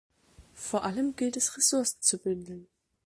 Vor allem gilt es, Ressourcen zu bündeln.